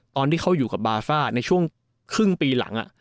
ตอนที่เขาอยู่กับบาซ่าในช่วงครึ่งปีหลัง